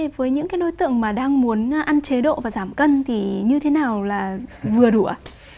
với những đối tượng mà đang muốn ăn chế độ và giảm cân thì như thế nào là vừa đủ ạ